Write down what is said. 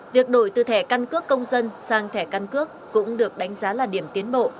việc đổi từ thẻ căn cước công dân sang thẻ căn cước cũng được đánh giá là điểm tiến bộ